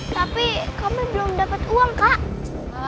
tapi kami belum dapat uang kak